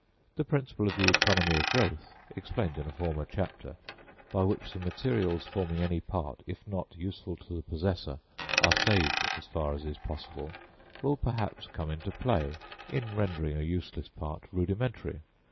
The principle of the economy of growth, explained in a former chapter, by which the materials forming any part, if not useful to the possessor, are saved as far as is possible, will perhaps come into play in rendering a useless part rudimentary.